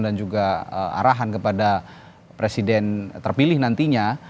dan juga arahan kepada presiden terpilih nantinya